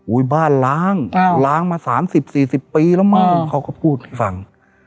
อุ้ยบ้านล้างอ้าวล้างมาสามสิบสี่สิบปีแล้วมั้งเขาก็พูดให้ฟัง